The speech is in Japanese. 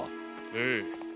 ええ。